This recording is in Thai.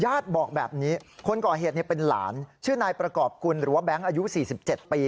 บอกแบบนี้คนก่อเหตุเป็นหลานชื่อนายประกอบกุลหรือว่าแบงค์อายุ๔๗ปี